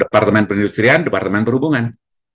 departemen perindustrian departemen perhubungan